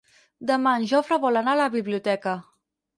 Demà en Jofre vol anar a la biblioteca.